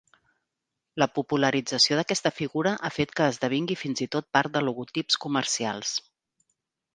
La popularització d'aquesta figura ha fet que esdevingui fins i tot part de logotips comercials.